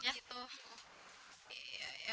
ya kita ngantin dulu ya